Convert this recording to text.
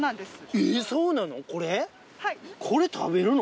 えっそうなの？